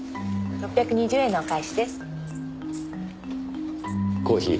６２０円のお返しです。